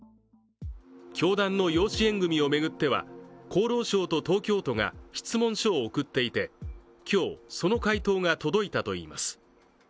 教団の養子縁組を巡っては厚労省と東京都が質問書を送っていて今日、その回答が届いたといいます。